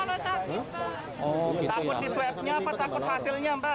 atau takut hasilnya mbak